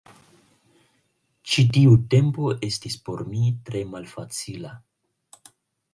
Ĉi tiu tempo estis por mi tre malfacila.